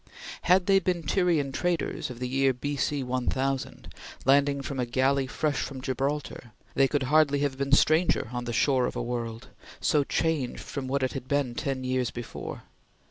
Had they been Tyrian traders of the year B.C. 1000 landing from a galley fresh from Gibraltar, they could hardly have been stranger on the shore of a world, so changed from what it had been ten years before.